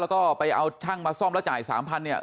แล้วก็ไปเอาช่างมาซ่อมแล้วจ่าย๓๐๐เนี่ย